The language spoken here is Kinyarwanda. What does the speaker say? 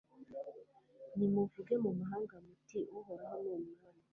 nimuvuge mu mahanga, muti uhoraho ni umwami